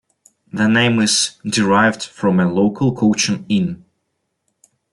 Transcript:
The name is derived from a local coaching inn.